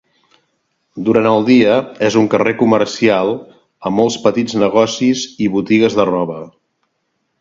Durant el dia, és un carrer comercial amb molts petits negocis i botigues de roba.